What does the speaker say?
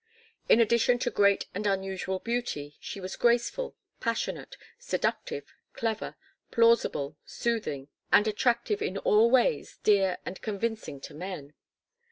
In addition to great and unusual beauty she was graceful, passionate, seductive, clever, plausible, soothing, and attractive in all ways dear and convincing to men.